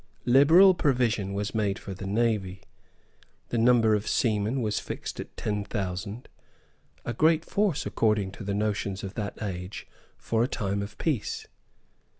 Liberal provision was made for the navy. The number of seamen was fixed at ten thousand, a great force, according to the notions of that age, for a time of peace.